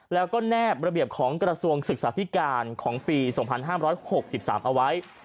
แล้วก็แนบระเบียบของกระทรวงศึกษาธิการของปี๒๕๖๓เอาไว้